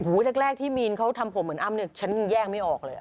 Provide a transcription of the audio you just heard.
แรกที่มีนเขาทำผมเหมือนอ้ำเนี่ยฉันแยกไม่ออกเลย